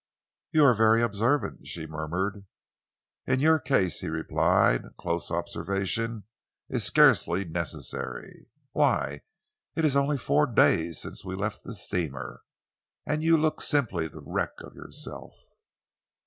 "You are very observant," she murmured. "In your case," he replied, "close observation is scarcely necessary. Why, it is only four days since we left the steamer, and you look simply the wreck of yourself."